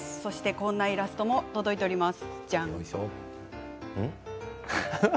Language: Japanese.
こんなイラストも届いています。